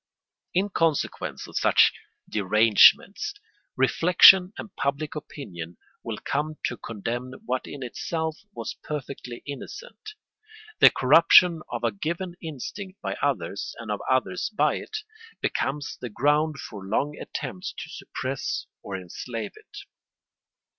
] In consequence of such derangements, reflection and public opinion will come to condemn what in itself was perfectly innocent. The corruption of a given instinct by others and of others by it, becomes the ground for long attempts to suppress or enslave it.